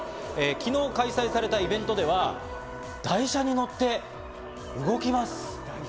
昨日開催されたイベントでは、台車に乗って動きます。